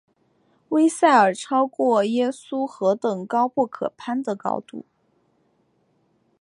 威塞尔超过耶稣何等高不可攀的高度！